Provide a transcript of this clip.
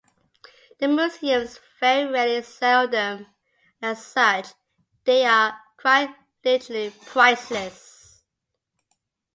The museums very rarely sell them, and as such, they are quite literally priceless.